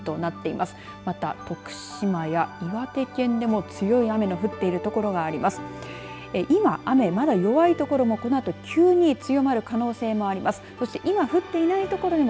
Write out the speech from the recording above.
また、徳島や岩手県でも強い雨の降っている所があります。